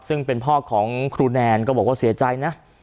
ซึ่งเป็นพ่อของครูแนนก็บอกว่าเสียใจนะ